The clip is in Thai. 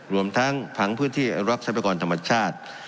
รวมทั้งผังพื้นที่รับทรัพยากรธรรมชาติ